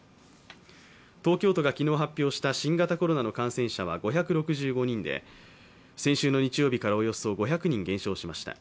東京都が昨日発表した新型コロナの感染者は５６５人で先週の日曜日からおよそ５００人減少しました。